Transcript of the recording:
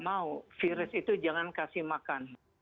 mau gak mau virus itu jangan kasih makan